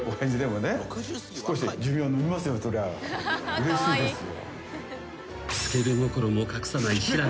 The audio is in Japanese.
「うれしいですよ」